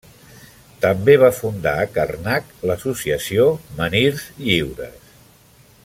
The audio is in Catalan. També va fundar a Carnac l'associació Menhirs Lliures.